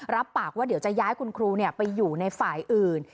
รับปากว่าเดี๋ยวจะย้ายคุณครูไปอยู่ในฝ่ายอื่น